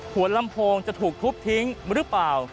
หัวลำโพงจะถูกทุบทิ้งหรือเปล่า